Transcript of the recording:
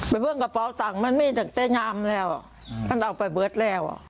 ไปเบิ้งกระเป๋าตังค์มันไม่ถึงเต้นยามแล้วอ่ะมันเอาไปเบิ้ดแล้วอ่ะ